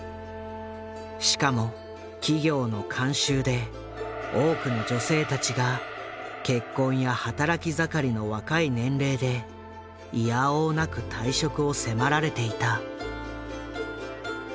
しかも企業の慣習で多くの女性たちが結婚や働き盛りの若い年齢でいやおうなく退職を迫られていた。